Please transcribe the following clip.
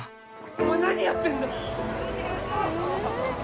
お前何やってんだよ！